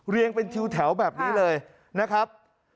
เรียงเป็นถิ่นแถวแบบนี้เลยนะครับ